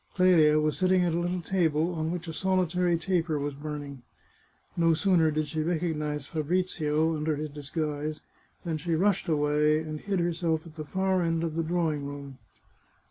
Clelia was sitting at a little table, on which a solitary taper was burning. No sooner did she recognise Fabrizio, under his disguise, than she rushed away, and hid herself at the far end of the drawing room.